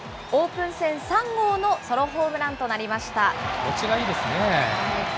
オープン戦３号のソロホームランとなりました。